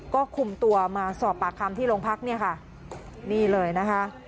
ก็คุมตัวมาสอบปากคำที่โรงพักเนี่ยค่ะนี่เลยนะคะ